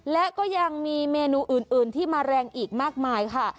และก็ยังมีเมนูอื่นที่มาแรงอีกมากมายค่ะ